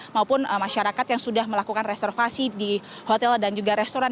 maupun masyarakat yang sudah melakukan reservasi di hotel dan juga restoran